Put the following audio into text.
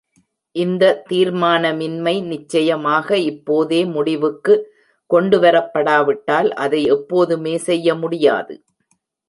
இந்த தீர்மானமின்மை நிச்சயமாக இப்போதே முடிவுக்கு கொண்டுவரப்படாவிட்டால் அதை எப்போதுமே செய்ய முடியாது.